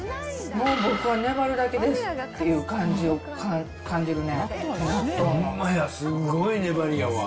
もう僕は粘るだけですっていう感じを感じるね。